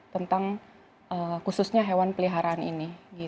tentang khususnya hewan peliharaan ini